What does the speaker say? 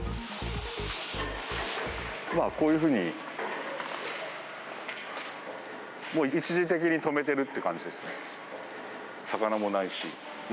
こういうふうに、もう一時的に止めてるって感じですね。